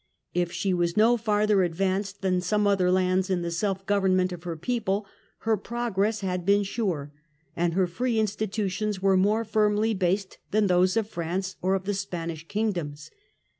If she was no &rther advanced than some other lands in the self government of her people, her pro gress had been sure, and her free institutions were more firmly based than those of France or of the Spanish kingdoms.